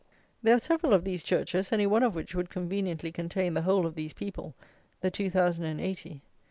There are several of these churches, any one of which would conveniently contain the whole of these people, the two thousand and eighty!